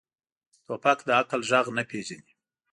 توپک د عقل غږ نه پېژني.